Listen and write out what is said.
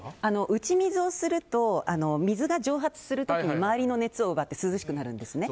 打ち水をすると水が蒸発する時に周りの熱を奪って涼しくなるんですね。